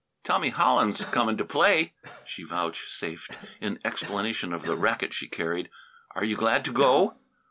"Tommy Hollins coming to play," she vouchsafed in explanation of the racquet she carried. "Are you glad to go?"